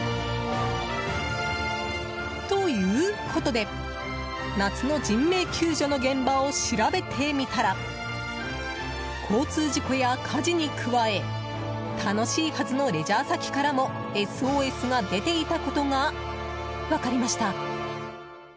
ということで夏の人命救助の現場を調べてみたら交通事故や火事に加え楽しいはずのレジャー先からもＳＯＳが出ていたことが分かりました。